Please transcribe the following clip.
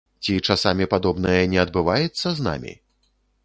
Ці часамі падобнае не адбываецца з намі?